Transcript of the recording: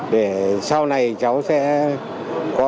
để sau này cháu sẽ có